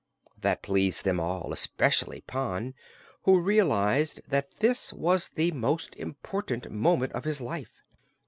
That pleased them all, especially Pon, who realized that this was the most important moment of his life.